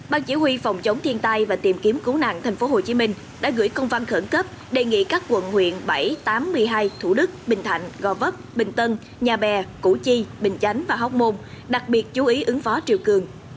ban chỉ huy phòng chống thiên tai và tìm kiếm cứu nạn tp hcm đã gửi công văn khẩn cấp đề nghị các quận huyện bảy tám một mươi hai thủ đức bình thạnh gò vấp bình tân nhà bè củ chi bình chánh và hóc môn đặc biệt chú ý ứng phó chiều cường